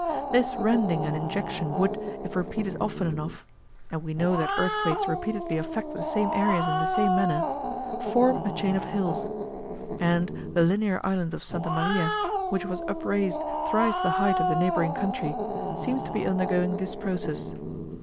This rending and injection would, if repeated often enough (and we know that earthquakes repeatedly affect the same areas in the same manner), form a chain of hills; and the linear island of S. Mary, which was upraised thrice the height of the neighbouring country, seems to be undergoing this process.